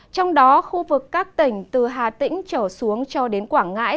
trong đó khu vực các tỉnh từ hà tĩnh trở xuống cho đến quảng ngãi